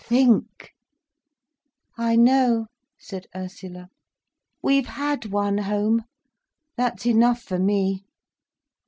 —think!" "I know," said Ursula. "We've had one home—that's enough for me."